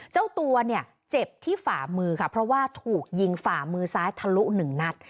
เจ้าตัวเนี่ยเจ็บที่ฝ่ามือค่ะเพราะว่าถูกยิงฝ่ามือซ้ายทะลุหนึ่งนัด